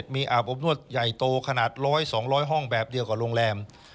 มีอาบอบนวดใหญ่โตขนาด๑๐๐๒๐๐ห้องแบบเดียวกับโรงแรม